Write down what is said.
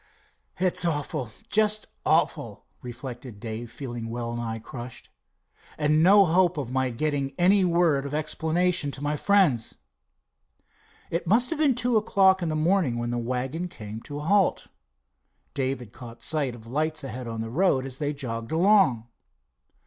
"It's awful, just awful," reflected Dave, feeling well nigh crushed, "and no hope of my getting any word of explanation to my friends." It must have been two o'clock in the morning when the wagon come to a halt. Dave had caught sight of lights ahead on the road as they jogged along.